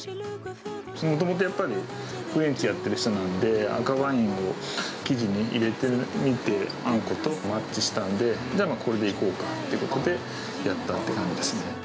もともとやっぱり、フレンチやってる人なんで、赤ワインを生地に入れてみて、あんことマッチしたんで、これでいこうかということで、やったっていう感じですね。